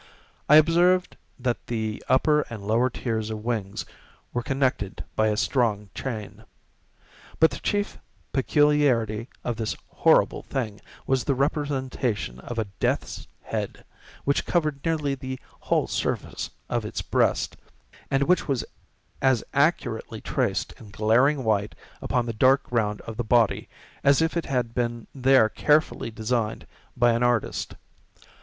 I observed that the upper and lower tiers of wings were connected by a strong chain. But the chief peculiarity of this horrible thing was the representation of a Death's Head, which covered nearly the whole surface of its breast, and which was as accurately traced in glaring white, upon the dark ground of the body, as if it had been there carefully designed by an artist.